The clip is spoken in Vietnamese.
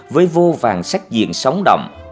với vô vàng sách diện sóng động